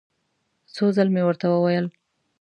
څو ځل مې ورته وویل.